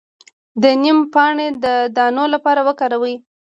د نیم پاڼې د دانو لپاره وکاروئ